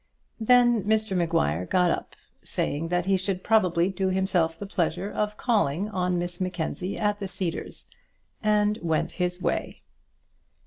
Then Mr Maguire got up, saying that he should probably do himself the pleasure of calling on Miss Mackenzie at the Cedars, and went his way.